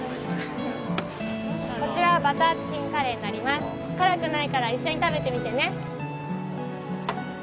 こちらバターチキンカレーになります辛くないから一緒に食べてみてね